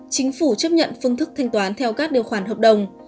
chính phủ chấp nhận phương thức thanh toán theo các điều khoản hợp đồng